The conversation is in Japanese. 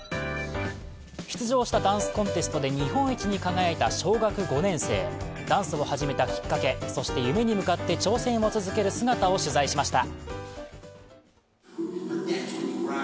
出場したダンスコンテストで日本一に輝いた小学５年生、ダンスを始めたきっかけ、そして夢に向かって挑戦を続ける姿を取材しました。